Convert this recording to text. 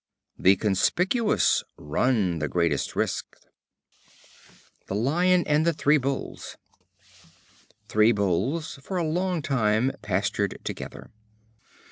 The conspicuous run the greatest risk. The Lion and the Three Bulls. Three Bulls for a long time pastured together.